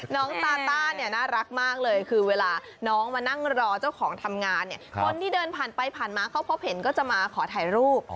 น้องตาต้าเนี่ยน่ารักมากเลยคือเวลาน้องมานั่งรอเจ้าของทำงานเนี่ยคนที่เดินผ่านไปผ่านมาเขาพบเห็นก็จะมาขอถ่ายรูป